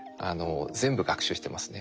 全部学習してますね。